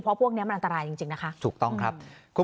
เพราะพวกนี้มันอันตรายจริงนะคะถูกต้องครับ